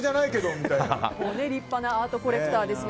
立派なアートコレクターですが。